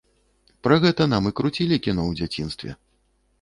Пра гэта нам і круцілі кіно ў дзяцінстве.